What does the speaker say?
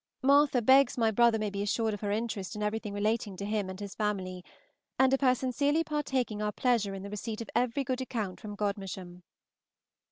Martha begs my brother may be assured of her interest in everything relating to him and his family, and of her sincerely partaking our pleasure in the receipt of every good account from Godmersham.